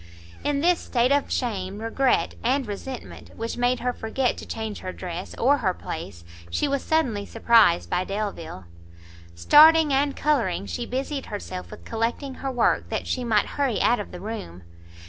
In this state of shame, regret and resentment, which made her forget to change her dress, or her place, she was suddenly surprised by Delvile. Starting and colouring, she busied herself with collecting her work, that she might hurry out of the room.